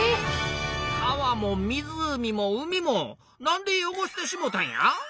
川も湖も海もなんで汚してしもうたんや？